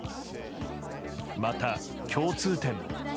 また、共通点も。